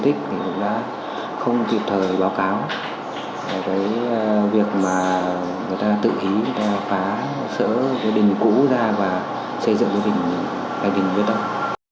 điều đó không thiệt thời báo cáo về cái việc mà người ta tự ý phá sở đình cũ ra và xây dựng đình lương xá